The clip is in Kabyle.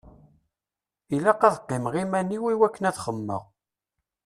Ilaq ad qqimeɣ iman-iw i wakken ad xemmeɣ.